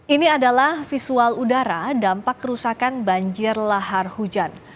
ini adalah visual udara dampak kerusakan banjir lahar hujan